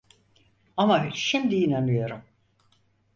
Ama şimdi inanıyorum…